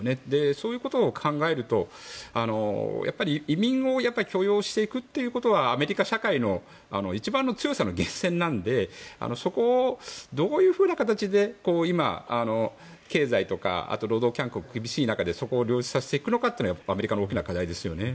そういうことを考えるとやっぱり移民を許容していくのはアメリカ社会の一番の強さの源泉なのでそこをどういう形で今、経済とか労働環境が厳しい中でそこをうまくやっていくのかがアメリカの大きな課題ですよね。